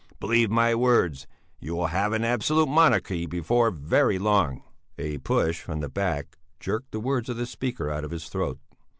Believe my words: You will have an absolute monarchy before very long!" A push from the back jerked the words of the speaker out of his throat.